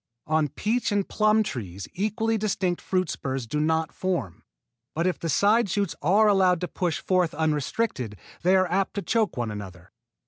On peach and plum trees equally distinct fruit spurs do not form; but if the side shoots are allowed to push forth unrestricted they are apt to choke one another.